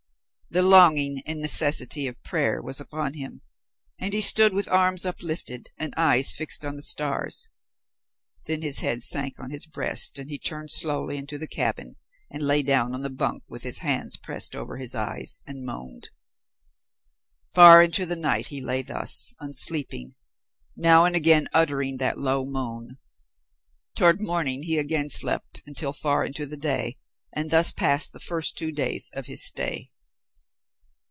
The longing and the necessity of prayer was upon him, and he stood with arms uplifted and eyes fixed on the stars, then his head sank on his breast and he turned slowly into the cabin and lay down on the bunk with his hands pressed over his eyes, and moaned. Far into the night he lay thus, unsleeping, now and again uttering that low moan. Toward morning he again slept until far into the day, and thus passed the first two days of his stay.